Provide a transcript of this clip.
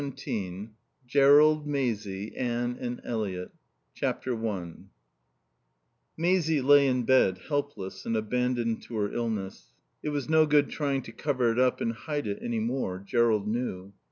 XVII JERROLD, MAISIE, ANNE, ELIOT i Maisie lay in bed, helpless and abandoned to her illness. It was no good trying to cover it up and hide it any more. Jerrold knew.